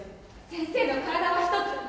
先生の体は一つ。